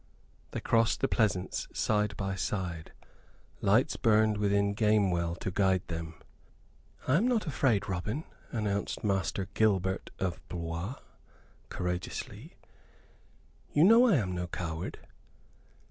They crossed the pleasance side by side. Lights burned within Gamewell to guide them. "I am not afraid, Robin," announced Master Gilbert of Blois, courageously. "You know I am no coward."